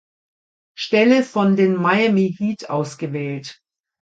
Stelle von den Miami Heat ausgewählt.